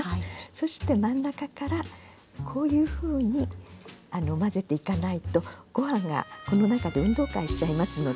そして真ん中からこういうふうに混ぜていかないとご飯がこの中で運動会しちゃいますので。